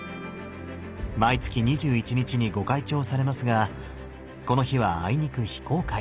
毎月２１日にご開帳されますがこの日はあいにく非公開。